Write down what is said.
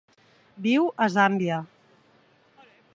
Viu a Zàmbia.